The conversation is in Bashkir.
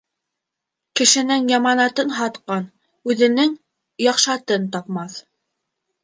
Кешенең яманатын һатҡан үҙенең яҡшатын тапмаҫ.